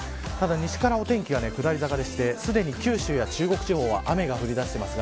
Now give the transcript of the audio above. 西からお天気が下り坂でしてすでに九州や中国地方は雨が降り出しています。